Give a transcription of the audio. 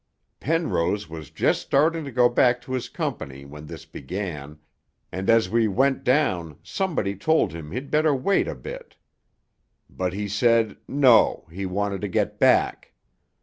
Penrose was just starting to go back to his company when this began, and as we went down somebody told him he'd better wait a bit. But he said "No, he wanted to get back."